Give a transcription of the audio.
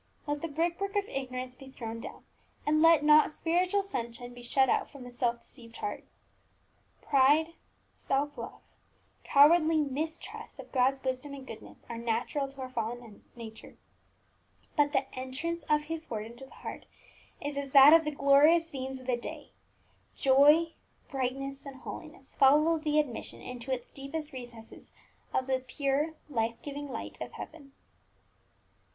Let the brickwork of ignorance be thrown down, and let not spiritual sunshine be shut out from the self deceived heart. Pride, Self love, cowardly Mistrust of God's wisdom and goodness, are natural to our fallen nature; but the entrance of His Word into the heart is as that of the glorious beams of the day, joy, brightness, and holiness follow the admission into its deepest recesses of the pure, life giving light of Heaven!